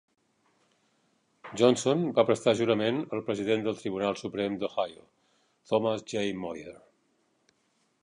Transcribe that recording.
Johnson va prestar jurament al president del Tribunal Suprem d'Ohio, Thomas J. Moyer.